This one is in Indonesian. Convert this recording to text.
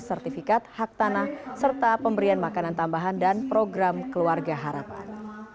sertifikat hak tanah serta pemberian makanan tambahan dan program keluarga harapan